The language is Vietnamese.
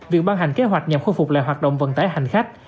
việc ban hành kế hoạch nhằm khôi phục lại hoạt động vận tải hành khách